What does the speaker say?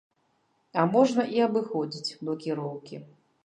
А можна і абыходзіць блакіроўкі.